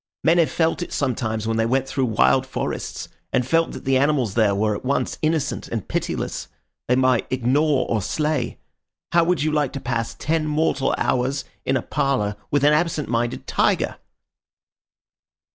Men have felt it sometimes when they went through wild forests, and felt that the animals there were at once innocent and pitiless. They might ignore or slay. How would you like to pass ten mortal hours in a parlour with an absent minded tiger?"